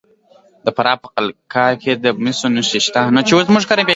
د فراه په قلعه کاه کې د مسو نښې شته.